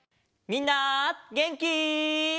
みんなげんき？